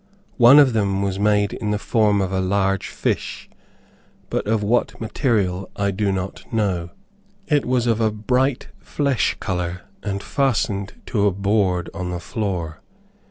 One of them was made in the form of a large fish, but of what material I do not know. It was of a bright flesh color, and fastened to a board on the floor.